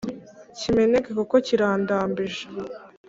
kimeneke kuko kirandambije